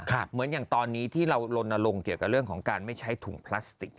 เหมือนอย่างตอนนี้ที่เราลนลงเกี่ยวกับเรื่องของการไม่ใช้ถุงพลาสติก